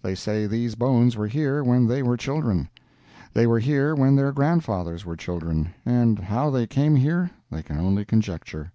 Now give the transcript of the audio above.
They say these bones were here when they were children. They were here when their grandfathers were children—but how they came here, they can only conjecture.